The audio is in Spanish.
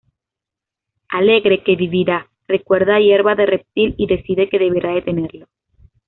Alegre que vivirá, recuerda a Hierba de Reptil y decide que deberá detenerlo.